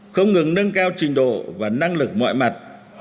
không ngừng nâng cao trình độ và năng lực mọi mặt